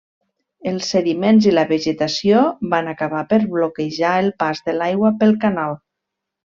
Els sediments i la vegetació van acabar per bloquejar el pas de l'aigua pel canal.